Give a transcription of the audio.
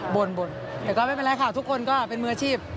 บ่นแต่ก็ไม่เป็นไรค่ะทุกคนก็เป็นมืออาชีพ